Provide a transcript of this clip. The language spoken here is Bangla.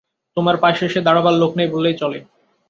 তোমার পাশে এসে দাঁড়াবার লোক নেই বললেই চলে।